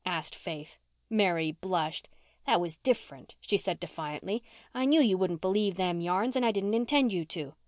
asked Faith. Mary blushed. "That was diff'runt," she said defiantly. "I knew you wouldn't believe them yarns and I didn't intend you to.